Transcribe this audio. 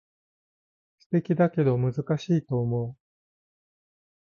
素敵だけど難しいと思う